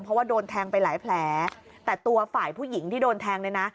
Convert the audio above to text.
เพราะว่าโดนแทงไปหลายแผลแต่ตัวฝ่ายผู้หญิงที่โดนแทงเนี่ยนะ